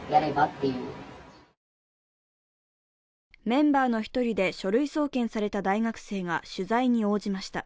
メンバーの１人で、書類送検された大学生が取材に応じました。